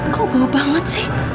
kau bawa banget sih